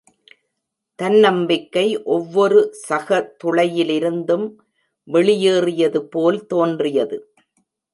தன்னம்பிக்கை ஒவ்வொரு சக துளையிலிருந்தும் வெளியேறியது போல் தோன்றியது.